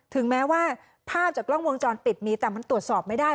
ถึงแม้ว่าภาพจากกล้องวงจรปิดมีแต่มันตรวจสอบไม่ได้